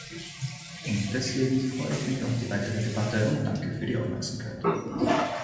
Und deswegen freue ich mich auf die weitere Debatte und danke für die Aufmerksamkeit.